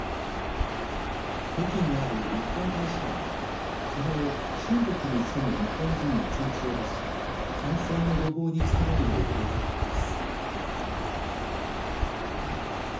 北京にある日本大使館は昨日中国に住む日本人に通知を出し感染の予防に努めるよう呼びかけています。